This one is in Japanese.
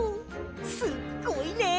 すっごいね！